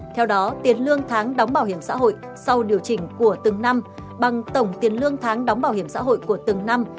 theo đó tiền lương tháng đóng bảo hiểm xã hội sau điều chỉnh của từng năm bằng tổng tiền lương tháng đóng bảo hiểm xã hội của từng năm